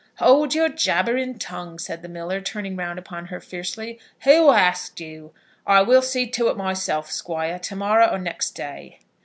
"Hold your jabbering tongue," said the miller, turning round upon her fiercely. "Who asked you? I will see to it myself, Squire, to morrow or next day."